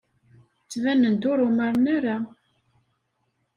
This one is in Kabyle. Ttbanen-d ur umaren ara.